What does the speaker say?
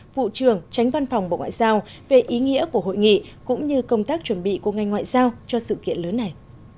vụ trưởng tránh văn phòng bộ ngoại giao về ý nghĩa của hội nghị cũng như công tác chuẩn bị của ngành ngoại giao cho sự kiện lớn này